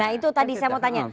nah itu tadi saya mau tanya